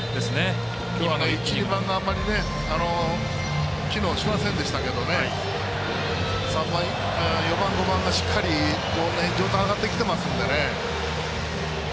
１、２番があまり機能しませんでしたけど４番、５番がしっかり状態上がってきてますからね。